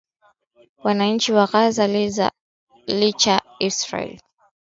wananchi wa ghaza licha ya israel